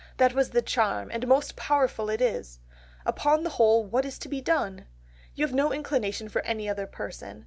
That was the charm, and most powerful it is.... Upon the whole what is to be done? You have no inclination for any other person.